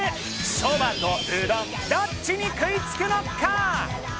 そばとうどん、どっちに食いつくのか。